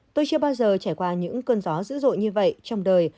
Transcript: tôi chưa bao giờ trải qua những cơn gió dữ dội như vậy trong đời